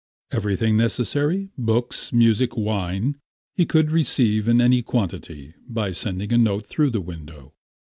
Everything necessary, books, music, wine, he could receive in any quantity by sending a note through the window.